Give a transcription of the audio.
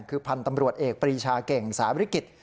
คือพันธ์ตำรวจเอกปรีชาเก่งสาริกิจ